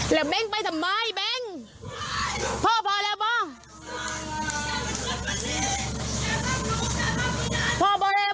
บ๊วยพอเรือพอพอเรย์ล่วงล่วง